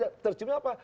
tadi terciumnya apa